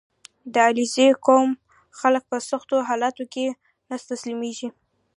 • د علیزي قوم خلک په سختو حالاتو کې نه تسلیمېږي.